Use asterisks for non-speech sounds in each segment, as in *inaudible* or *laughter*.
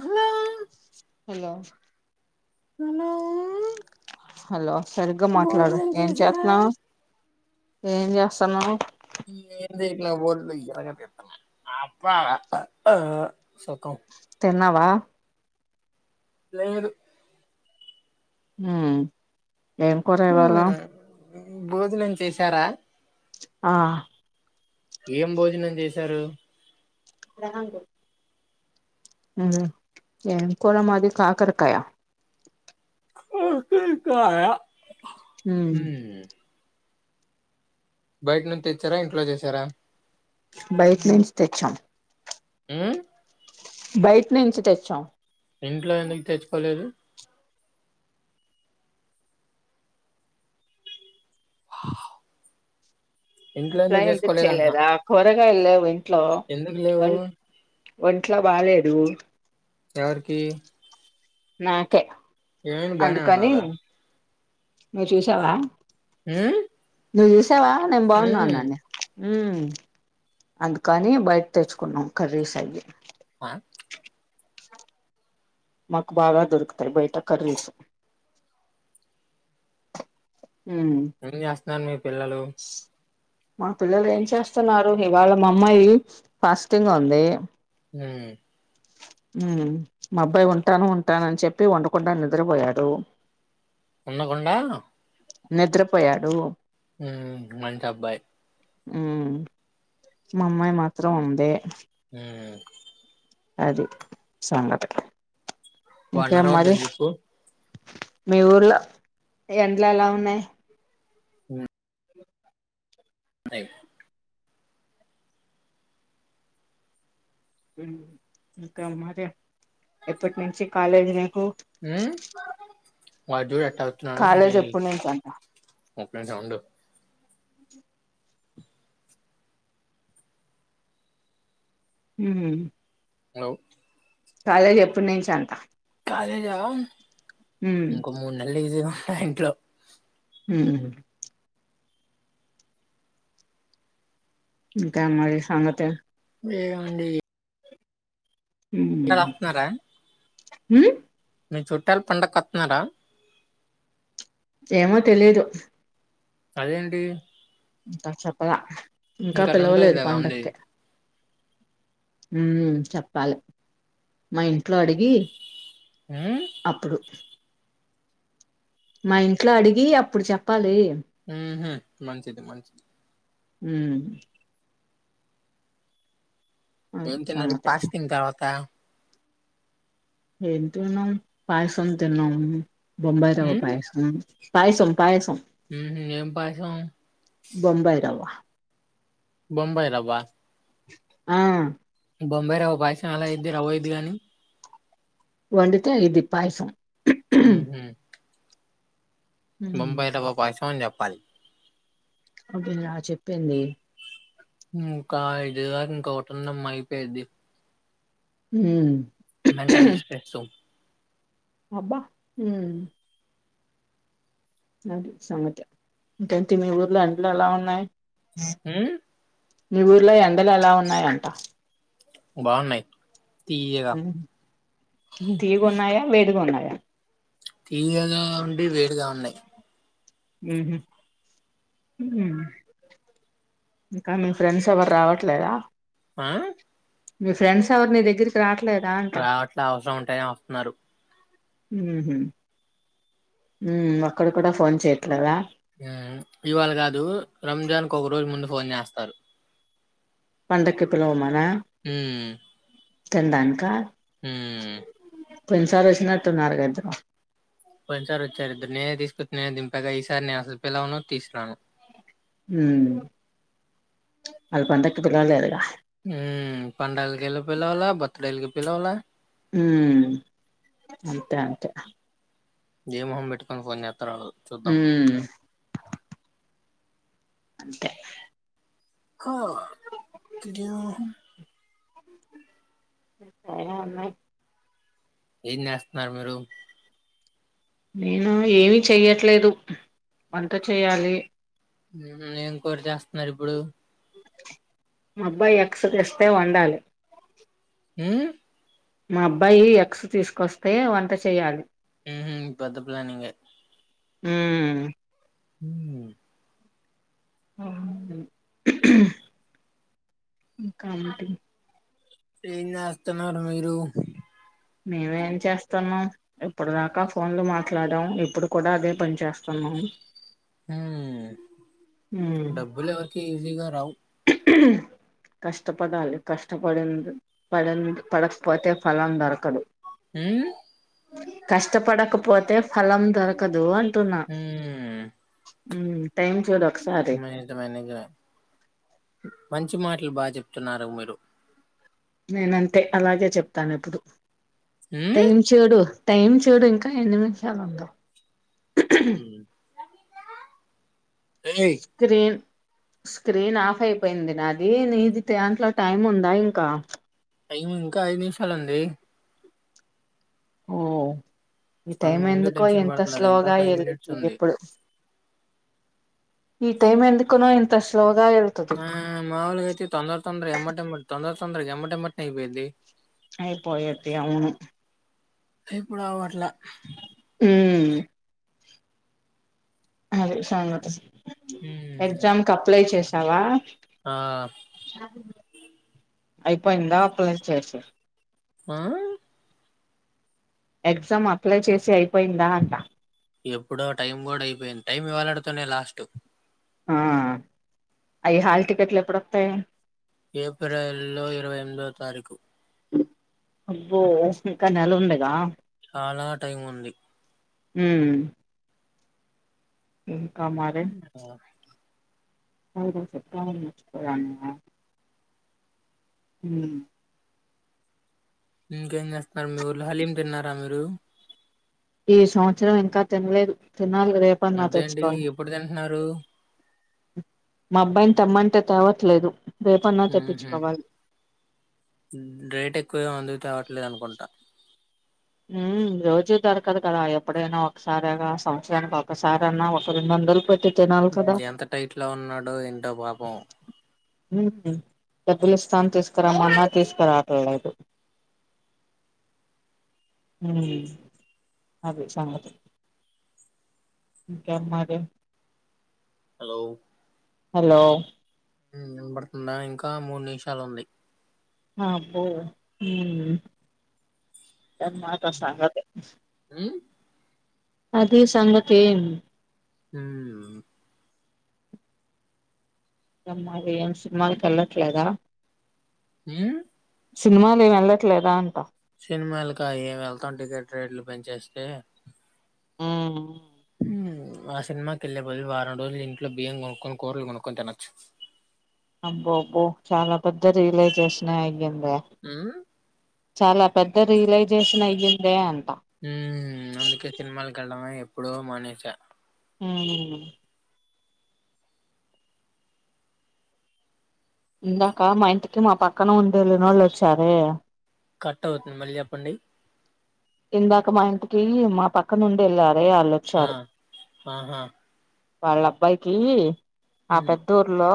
Hello hello hello hello సరిగ్గా మాట్లాడు ఏం చేసారా చేత్తన్నావ్ ఏం చేస్తున్నావ్ *unintelligible* తిన్నావా లేదు హుమ్ ఏం కూర ఇవాళ హ్మ్, భోజనం చేశారా ఆ ఏం భోజనం చేసి తరు రాంగ్ ఏం కూరా మాది కాకరకాయ ఆ ఉమ్ *unintelligible* బయట నుంచి తెచ్చారా ఇంట్లో చేసారా బయట నుంచి తెచ్చాం హ్మ్మ్ బయట నుంచి తెచ్చాం ఇంట్లో ఎందుకు తెచ్చుకోలేదు ఇంట్లో ఎందుకు చేయలేదా కూరగాయల్లేవు ఇంట్లో ఎందుకు లేవు ఒంట్లో బాలేదు ఎవరు ఎవరికి నాకే ఏమైంది బనే ఉన్నావుగా ను చూసావా హ్మ్మ్ నువ్వు చెస్ వాతావా నేను బాగున్నా నానీ ఉ అందుకని బయట తెచ్చుకున్నాం కర్రీ స్ అవి, ఆ, మాకు బాగా దొరుకుతాయి. బయట కర్రీస్ ఊ నన్ని పిల్లలు మా పిల్లలు ఏం చేస్తున్నారు, ఇవాళ మా అమ్మాయి ఫాస్టింగ్ గా ఉంది. ఉ ఉ మా అబ్బాయి ఉంటాను ఉంటాను, అని చెప్పి ఉండకుండా నిద్రపోయాడు. ఉన్నకుండా నిద్రపోయాడు, ఉ మంచి అబ్బాయి ఉ మా అమ్మాయి మాత్రం ఉంది. ఉ అది సంగతి వాణ్ణి ఇంకేం అరవద్దు మరి అని చెప్పు, మీ ఊర్లో ఎండ్లు ఎలా ఉన్నాయి. ఉ ఉన్నాయి ఇంకా మరి ఎప్పటి నుంచి కాలేజీలు, ఉ వాడ్ చూడు ఎ కాలేజ్ ఎప్పుడు నుంచి అంటున్న, సప్పుడేక ఉండు, హూ హలో కాలేజ్ ఎప్పటి నుంచి అంట అదే జవా ఉమ్ ఇంకో మూడు నెలలు ఈజీగా *unintelligible* ఊ ఇంకా మరి సంగతి, లేవండి అందరూ వస్తున్నారా, ఎ మీ చుట్టాలు పండగకి వస్తున్నారా, ఏమో తెలీదు, అదేంటి నాకు చెప్పలే ఇంకా రెండు రోజులు పిలవలేదు కదా ఉంది పండగాకి, హు చెప్పాలి మా ఇంట్లో అడిగి, ఉమ్, అప్పుడు మా ఇంట్లో అడిగి అప్పుడు చెప్పాలి. ఉహ్ మంచిది మంచిది. హ్ అది ఏంతిన్నారు సంగతి పాచ తిన్న తర్వాత ఏం తిన్నం పాయసం తిన్నాం. బొంబై రవ్వా ఉమ్, పాయసం. పాయసం పాయసం ఉమ్హుం, ఏం పాయసం బొంబాయి రవ్వా. బొంబై రవ్వా ఆ బొంబై రవ్వా పాయసం ఎలా అయిద్ది రవ్వాయిద్ది కాని. వండితే అయిద్ది పాయసం. హుహ్ మ్మ్ బొంబైయి రవ్వా పాయసం అని చెప్ ప్పాలి. ఒకేనా చెప్పింది. హ్ కాదు ఇంకా అవుతుందమ్మా అయిపోయిద్ది. హ్ మెంటల్ స్ట్రెస్సు. అబ్బా హ్ అది సంగతి. ఇంకేంటి మీ ఊర్లో ఎండలు ఎలా ఉన్నాయి. హ్మ్ మీ ఊర్లో ఎండలు ఎలా ఉన్నాయంట. బావున్నయి. హ్ తియ్యగున్నాయా, వేడిగ ఉన్నాయా. తీయగా ఉండి వేడిగా ఉన్నయి. హుహ్ హ్ ఇంకా మీ ఫ్రెండ్స్ ఎవ్వరు రావట్లేదా. ఆ మీ ఫ్రెండ్స్ ఎవరు నీదగ్గరికి రా రావట్లే అవసరం ఉంటనే వస్తున్నారు. హుహ్ హ్ ఒక్కడు కూడా ఫోన్ చెయ్యట్లేదా. హ్ ఇవాళ కాదు రంజాన్కు ఒకరోజు ముందు ఫోన్ చేస్తారు. పండక్కు పిలవమా హ చందాకా హ కొన్నిసార్ వచ్చినట్టున్నారుగద్దరు కొన్నిసారి వచ్చారు ఇద్దరు నేనే తీసుకుచ్చ నేనే దంగా ఈసారి నేను అసలు పిలను తీసన్నాను అ పంండాల గెళ పిల్లవాల బతుడలుకి పిలలే హ అంతతే అతే జై మహం పెట్టు పోయి అత్రదు అ అంతే కది *inaudible* సన్నా ఏం చేస్తున్నారు మీరు నేను ఏమి చెయ్యట్లేదు అంత చెయ్యాలి ఇం కోరి చేస్తున్నారు ఇప్పుడు మా అబ్బాయి ఎక్స తెస్తే వండాలి అ మా అబ్బాయి ఎక్స్ తీసుకొస్తే వంట చేయాలి ఇప్ప అంత పిలానింగ హ హ కాటి ఏం చేస్తున్నారు మీరు మేమేం చేస్తాన్నా ఎప్పుడుదాకా ఫోన్లు మాట్లాడాం ఇప్పుడు కూడా అదే పని చేేస్తున్నాము ఉమ్ డబ్బులు ఎవరికి ఈజీగా రావు కష్టపడాలి కష్టపడింది పడింది పడకపోతే ఫలం దొరకదు ఉ కష్టపడక పోతే ఫలం దొరకదు అంటున్నా ఉ ఉ టైమ్ంచ నక్ష్రే నిజమే నిజమే మంచి మాటలు బాగా చెప్తున్నారు మీరు నేనంతే అలాగే చెప్తాను ఎప్పుడు ఉ టైం చేడు టైమ్ చూడు ఇంకా ఎన్ని నిమిషాలు ఉందవు హ స్క్రీన్ స్క్రీన్ ఆఫ్ అయిపోయింది నాది నీది దాంట్లో టైం ఉందా ఇంకా టైం ఇంకా ఐదు నిమిషాలుంది ఓ ఈ ఆ టైం ఎందుకు ఎందుకో టెన్షన్ ఎంత పడుతున్నారు ఇంకా స్లోగా ఫైవ్ మినిట్స్ వెళ్ళద్ది ఉంది ఇప్పుడు ఈ టైం ఎందుకునో ఇంత స్లో ఆ మావలు గా అయితే తొందర తొందర ఎమ్మట్ ఎమ్మటే తొందర తొందర తొందర ఎమ్మటే అపోయిది అయి పోయితే అవును ఇప్పుడు అట్ల హుమ్ అదే సంగతి ఉ ఎగ్జామ్ క అప్లై చేసావా ఆ అయిపోయిందా అప్లై చెస్ ఆ ఎగ్జామ్ అప్లై చేసి అయిపోయిందా అంట ఎప్పుడో టైం కూడా అయిపోయింది టైం ఇవ్వలాడుతోనే లాస్ట్ ఆ అవి హాల్ టికెట్లు ఎప్పుడొస్తాయి ఏప్రిల్ లో ఇరవై ఎనిమిదవ తారీఖు అబ్బో ఇంకా నెల ఉంది గా చాలా టైం ఉంది ఉమ్ *inaudible* *inaudible* *unintelligible* హుమ్ ఇంకేం చేస్తున్నారు మీ ఊరి ల హలీం తిన్నారా మీరు ఈ సంవత్సరం ఇంకా తినలేదు తినాలి రేపన్నా అదే అండి తెచ్చుకోవాలి ఎప్పుడు తింటున్నారు మా అబ్బాయిని తమ్మంటే తేవట్లేదు రేపన్నా మ్మ్హ్మ్. తెప్పించుకోవాలి రేట్ ఎక్కువగా అందుకు తవట్లేదు అనుకుంటా ఊహు రోజు దొరకదు కదా ఎప్పుడైనా ఒకసారిేగా సంవత్సరానికి ఒకసారన్నా ఒక రెండు వందలు పెట్టీ ఎంత టైట్ లో ఉన్నాడో ఏంటో పాాపం డబ్బులి ఇస్తాను తీసుకురమ్మన్నా తీసుకురాట్లేదు అదే సంగతి ఇంకేం మరి హలో హలో వినబడుతుందా ఇంకా మూడు నిమిషాలు ఉంది అబ్బో ఏ మాత సంగతీ మ్మ్? అదే సంగతేం హమ్ అమ్మాది ఏం సినిమాలకు వెళ్ళట్లేదా అ సినిమాలు ఏమి వెళ్ళట్లేదా అంటా సినిమాలకి ఏం వెళ్తాం టికెట్ రేట్లు పెంచేస్తే ఆ ఆ సినిమాకి వెళ్ళే బదులు వారం రోజులు ఇంట్లో బియ్యం కొనుక్కొని కూరలు కొనుక్కొని తినొచ్చు అబ్బో అబ్బో చాలా పెద్ద రియలైజేషన్ అయ్యంది అ చాలా పెద్ద రియలైజేషన్ అయ్యిందే అం హమ్ అందుకే సినిమాల కేలడమే ఎపుడూ మానేస హమ్ ఇందాక మా ఇంటికి మా పక్కన ఉండేళ్ళనోళ్ళు వచ్చారు కట్ అవుతుంది మళ్ళీ చెప్పండి ఇందాక మా ఇంటికి మా పక్క నుండి వెళ్ళా ఆ ఆాహా వాళ్ళ అబ్బాయికి ఆ హ్మ్. పెద్ద ఊర్లో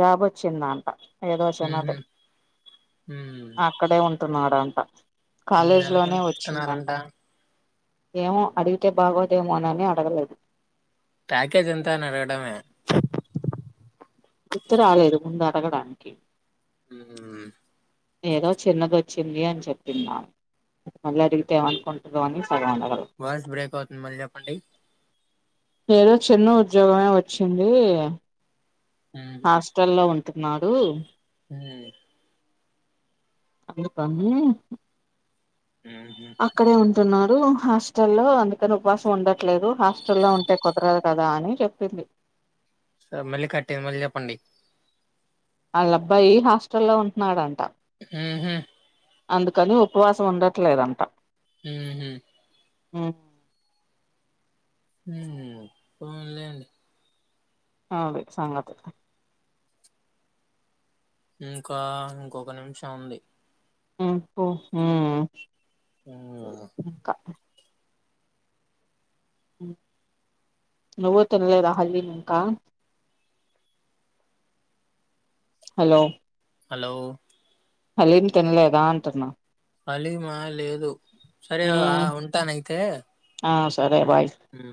జాబ్ వచ్చిందట ఏదు వశన్నటే హుహు. హ్మ్. అక్కడ ఉంట న్నాడంట కాలేజ్ లోనే వచ్ న్నాారంట ఏమో అడిగితే బాగోదేమోనని అడగలేదు ప్యాకేజ్ ఎంత అని ఆడగడమే గుర్తు రాలేదు ముందుడగడానికి హమ్ ఏదో చిన్నది వచ్చింది అని చెప్పింది అమే మళ్ళీ అడిగితేామ అనుకుంటుందో అని సగం అడగల వాయిస్ బ్రేక్ అవుతుంది మళ్ళీ చెప్పండి ఏదో చిన్న ఉద్యోగమే వచ్చింది హాస్టల్ లో ఉం తూనాడు హమ్ అ ప హుహు. అక్కడే ఉంటున్నారు హాస్టల్లో అందుకని ఉపవాసం ఉండట్లేదు హాస్టల్లో ఉంటే కుదరదు కదా అని చెప్పింది స మళ్ళీ కట్టయింది మళ్ళీ చెప్పండి వాళ్ళ అబ్బాయి హాస్టల్లో ఉంట్నాడంట మ్మ్ హ్మ్ అందుకని ఉపవాసం ఉండట్లేదంట మ్మ్ హ్మ్ మ్మ్ మ్మ్ హ్మ్ పోన్లేండి ఆ అదే సంగతి ఇంకా ఇంకొక నిమిషం ఉంది మ్మ్ ఓ మ్మ్ హ్మ్. ఇంకా నువ్వు తినలేదా హాలీమింక హలో హలో హలీమ్ తినలేదా అంటున్నా హలీమా లేదు సరే ఆ ఉమ్ ఉంటానయితే ఆ సరే బాయ్ హ్మ్.